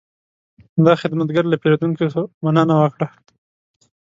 دا خدمتګر له پیرودونکو مننه وکړه.